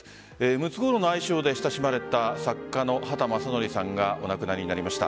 ムツゴロウの愛称で親しまれた作家の畑正憲さんがお亡くなりになりました。